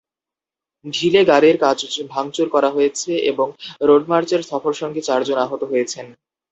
ঢিলে গাড়ির কাচ ভাঙচুর করা হয়েছে এবং রোডমার্চের সফরসঙ্গী চারজন আহত হয়েছেন।